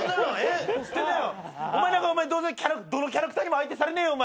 お前どうせどのキャラクターにも相手されねえよ！